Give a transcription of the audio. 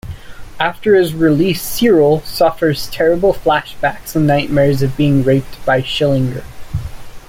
After his release Cyril suffers terrible flashbacks and nightmares of being raped by Schillinger.